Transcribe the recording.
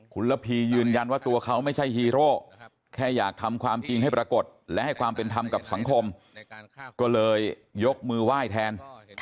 คุณระพียืนยันว่าตัวเขาไม่ใช่ฮีโร่แค่อยากทำความจริงให้ปรากฏและให้ความเป็นธรรมกับสังคมก็เลยยกมือไหว้แทน